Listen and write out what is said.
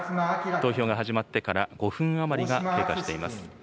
投票が始まってから５分余りが経過しています。